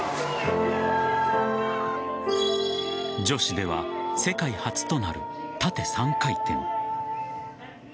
女子では世界初となる縦３回転。